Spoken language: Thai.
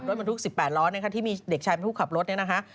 รถบรรทุก๑๘ล้อนะคะที่มีเด็กชายบรรทุกขับรถเนี่ยนะคะ